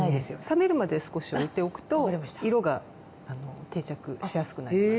冷めるまで少しおいておくと色が定着しやすくなります。